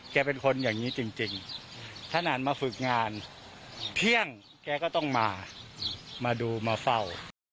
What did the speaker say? แกเป็นคนอย่างนี้จริงขนาดมาฝึกงานเที่ยงแกก็ต้องมามาดูมาเฝ้า